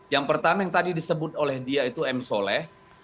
yang pertama yang tadi disebut oleh dia itu m soleh